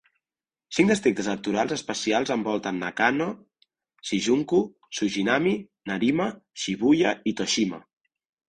Cinc districtes electorals especials envolten Nakano: Shinjuku, Suginami, Nerima, Shibuya i Toshima.